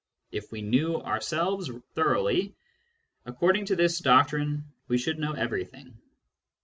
If we knew ourselves thoroughly, according to this doctrine, we should know everything.